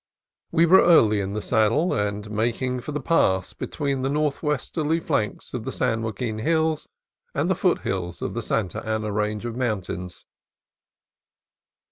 We were early in the saddle, and making for the pass between the northwesterly flanks of the San Joaquin Hills and the foothills of the Santa Ana 14 CALIFORNIA COAST TRAILS Range of mountains.